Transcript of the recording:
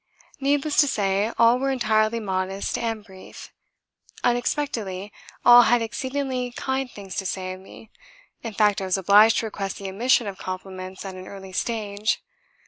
Needless to say, all were entirely modest and brief; unexpectedly, all had exceedingly kind things to say of me in fact I was obliged to request the omission of compliments at an early stage.